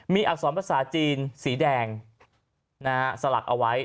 มีอักษรภาษาจีนสีแดงสลักเอาไว้